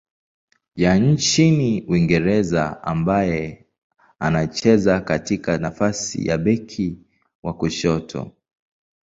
ya nchini Uingereza ambaye anacheza katika nafasi ya beki wa kushoto.